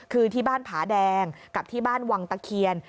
คือที่บ้านผาแดงกับที่บ้านวังตะเคียน